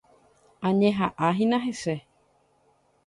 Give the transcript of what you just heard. Añeha'ãhína hese.